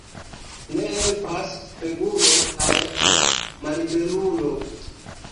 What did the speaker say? Ne helpas spegulo al malbelulo.